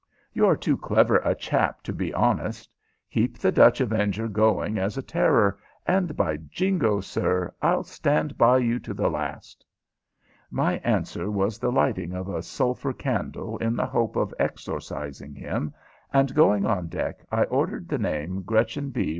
You're too clever a chap to be honest. Keep the Dutch Avenger going as a terror, and, by Jingo, sir, I'll stand by you to the last." My answer was the lighting of a sulphur candle in the hope of exorcising him, and, going on deck, I ordered the name _Gretchen B.